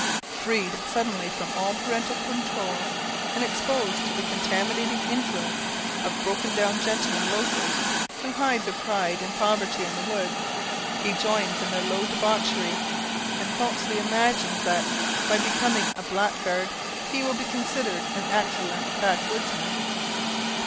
Freed suddenly from all parental control, and exposed to the contaminating influence of broken down gentlemen loafers, who hide their pride and poverty in the woods, he joins in their low debauchery, and falsely imagines that, by becoming a blackguard, he will be considered an excellent backwoodsman.